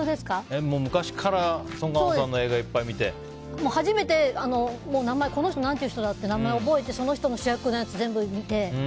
昔からソン・ガンホさんの映画初めてこの人何ていう人だって名前を覚えてその人の主役のやつ、全部見て。